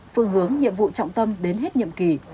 phương hướng nhiệm vụ trọng tâm đến hết nhiệm kỳ